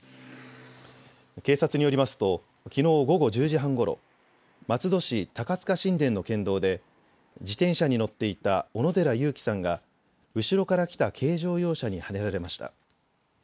警察によりますときのう午後１０時半ごろ、松戸市高塚新田の県道で自転車に乗っていた小野寺佑季さんが後ろから来た軽乗用車にはねられました。